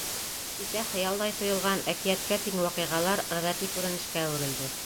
Кисә хыялдай тойолған, әкиәткә тиң ваҡиғалар ғәҙәти күренешкә әүерелде.